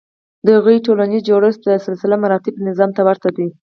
د هغوی ټولنیز جوړښت د سلسلهمراتب نظام ته ورته دی.